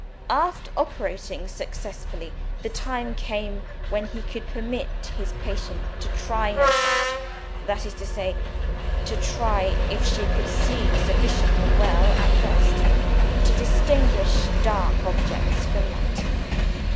After operating successfully, the time came when he could permit his patient to try her sight that is to say, to try if she could see sufficiently well at first, to distinguish dark objects from light.